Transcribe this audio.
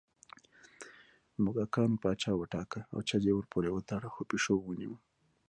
موږکانو پاچا وټاکه او چج یې ورپورې وتړه خو پېشو ونیوه